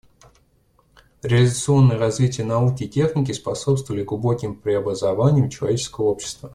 Революционное развитие науки и техники способствовали глубоким преобразованиям человеческого общества.